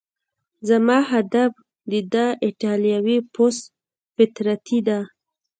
زما هدف د ده ایټالوي پست فطرتي ده.